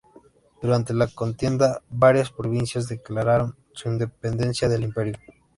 Durante la contienda, varias provincias declararon su independencia del Imperio.